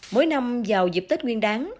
mỗi năm vào dịp tết nguyên đáng